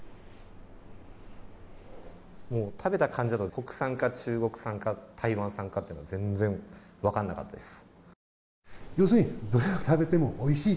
食べた感じだと国産か中国産か台湾産か全然分からなかったです。